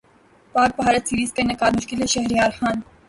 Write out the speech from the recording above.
پاک بھارت سیریزکا انعقادمشکل ہے شہریارخان